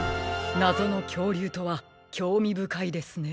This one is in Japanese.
なぞのきょうりゅうとはきょうみぶかいですね。